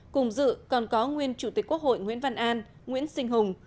cùng dự còn có nguyên chủ tịch quốc hội nguyễn văn an nguyễn sinh hùng